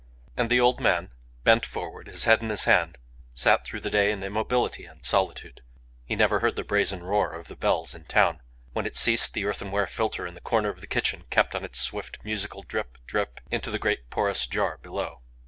And the old man, bent forward, his head in his hand, sat through the day in immobility and solitude. He never heard the brazen roar of the bells in town. When it ceased the earthenware filter in the corner of the kitchen kept on its swift musical drip, drip into the great porous jar below.